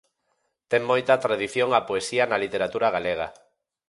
Ten moita tradición a poesía na literatura galega.